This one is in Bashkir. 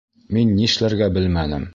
Мин нишләргә белмәнем.